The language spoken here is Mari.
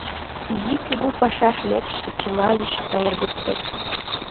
Изи-кугу, пашаш лекше, Чыла лӱшка эр годсек.